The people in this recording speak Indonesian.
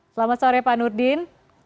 selamat sore pak nurdin